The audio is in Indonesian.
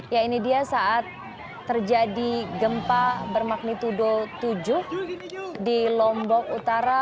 ya ini dia saat terjadi gempa bermagnitudo tujuh di lombok utara